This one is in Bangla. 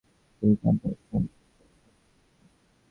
তিনি ক্রান্তীয় অনচ্ছতা বিষয়ে একটি গবেষণাপত্র লেখেন।